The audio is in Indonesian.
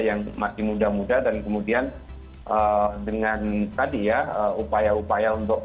yang masih muda muda dan kemudian dengan tadi ya upaya upaya untuk